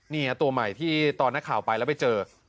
ตัวใหม่ที่ตอนนักข่าวไปแล้วไปเจอ